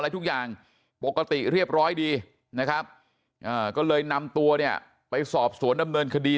ทุกอย่างปกติเรียบร้อยดีนะครับก็เลยนำตัวเนี่ยไปสอบสวนดำเนินคดี